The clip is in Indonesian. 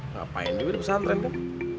ngapain ini udah pesantren tuh